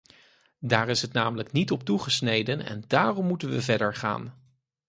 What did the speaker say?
Daar is het namelijk niet op toegesneden en daarom moeten we verder gaan.